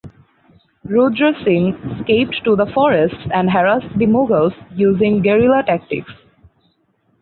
Rudra Singh escaped to the forests and harassed the Mughals using guerilla tactics.